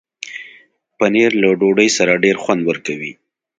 پنېر له ډوډۍ سره ډېر خوند ورکوي.